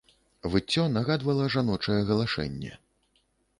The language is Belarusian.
Выццё нагадвала жаночае галашэнне.